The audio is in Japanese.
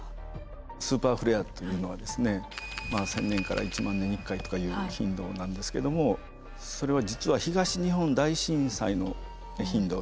スーパーフレアというのは１，０００年から１万年に１回とかいう頻度なんですけどもそれは実は東日本大震災の頻度